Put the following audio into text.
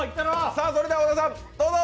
それでは小田さん、どうぞ！